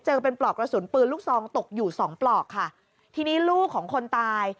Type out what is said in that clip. เจอเป็นปลอกกระสุนปืนลูกซองตกอยู่สองปลอกค่ะทีนี้ลูกของคนตาย